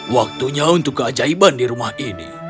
waktunya untuk keajaiban di rumah ini